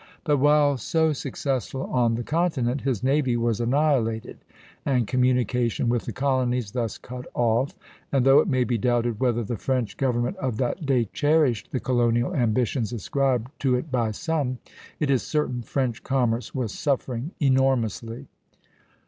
But while so successful on the continent, his navy was annihilated and communication with the colonies thus cut off; and though it may be doubted whether the French government of that day cherished the colonial ambitions ascribed to it by some, it is certain French commerce was suffering enormously.